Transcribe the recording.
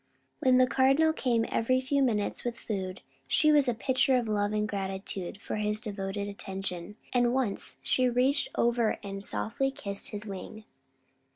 When the Cardinal came every few minutes with food, she was a picture of love and gratitude for his devoted attention, and once she reached over and softly kissed his wing.